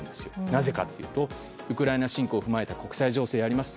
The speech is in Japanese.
なぜかというとウクライナ侵攻を踏まえた国際情勢があります。